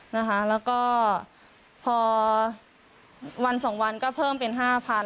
แล้วก็พอวัน๒วันก็เพิ่มเป็น๕๐๐